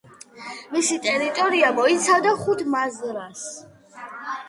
მისი ტერიტორია მოიცავდა ხუთ მაზრას.